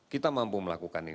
kita mampu melakukan